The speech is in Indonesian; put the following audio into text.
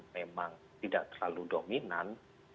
memang tidak terlalu dominan